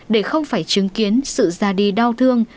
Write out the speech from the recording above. để không phải chứng kiến sự ra đi đau thương